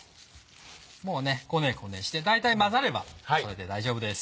もうねこねこねして大体混ざればそれで大丈夫です。